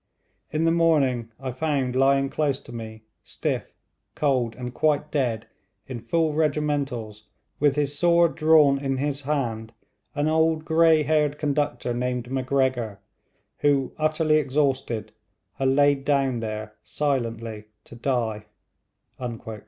In the morning I found lying close to me, stiff, cold, and quite dead, in full regimentals, with his sword drawn in his hand, an old grey haired conductor named Macgregor, who, utterly exhausted, had lain down there silently to die.'